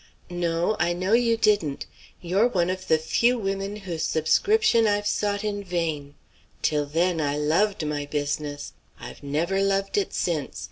"No; I know you didn't. You're one of the few women whose subscription I've sought in vain. Till then I loved my business. I've never loved it since.